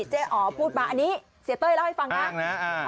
อ๋อพูดมาอันนี้เสียเต้ยเล่าให้ฟังนะ